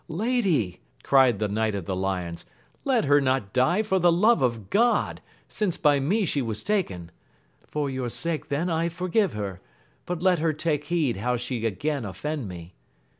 Lady, cried the knight of the lions, let her not die for the love of God, since by me she was taken. For your sake then I forgive her, but let her take heed how she again offend me.